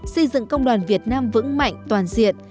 xây dựng công đoàn việt nam vững mạnh toàn diện